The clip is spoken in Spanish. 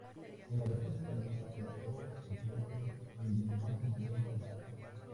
En la versión española colaboró, entre otros, el dibujante Manuel Tovar.